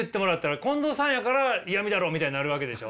近藤さんやからイヤミだろうみたいになるわけでしょ。